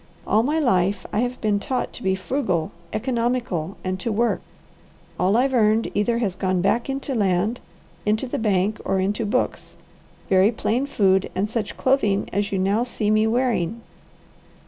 All my life I have been taught to be frugal, economical, and to work. All I've earned either has gone back into land, into the bank, or into books, very plain food, and such clothing as you now see me wearing.